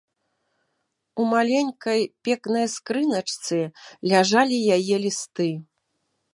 У маленькай пекнай скрыначцы ляжалі яе лісты.